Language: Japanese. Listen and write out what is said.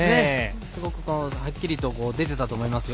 すごくパワーがはっきり出てたと思いますよ。